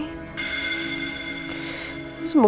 semoga elsa cepet ketemu deh